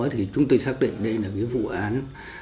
thì chúng tôi xác định đây là cái vụ án